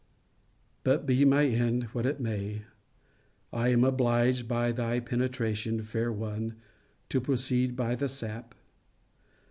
But, be my end what it may, I am obliged, by thy penetration, fair one, to proceed by the sap.